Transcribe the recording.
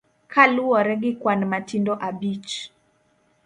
Kaluwore gi kwan matindo abich.